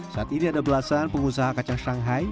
saat ini ada belasan pengusaha kacang shanghai